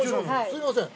すいません。